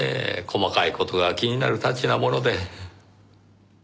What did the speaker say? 細かい事が気になるたちなもので。